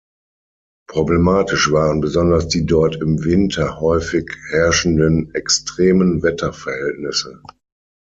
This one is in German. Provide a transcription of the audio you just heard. Problematisch waren besonders die dort im Winter häufig herrschenden extremen Wetterverhältnisse.